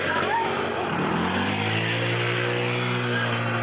อ่ะอ่ะ